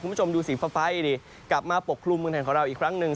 คุณผู้ชมดูสีฟ้าดีกลับมาปกคลุมเมืองไทยของเราอีกครั้งหนึ่ง